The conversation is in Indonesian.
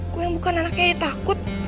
gue yang buka nanaknya ya takut